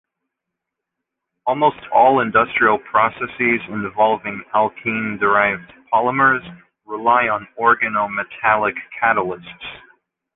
Almost all industrial processes involving alkene-derived polymers rely on organometallic catalysts.